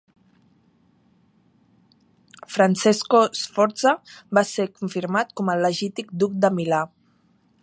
Francesco Sforza va ser confirmat com el legítim duc de Milà.